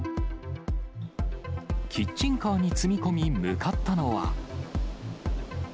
キッチンカーに積み込み、向かったのは。